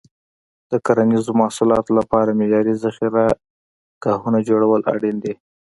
د کرنیزو محصولاتو لپاره معیاري ذخیره ګاهونه جوړول اړین دي.